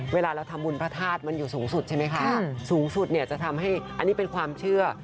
เวลาเราทำบุญพระธาตุมันอยู่สูงสุดใช่ไหมคะสูงสุดเนี่ยจะทำให้อันนี้เป็นความเชื่อ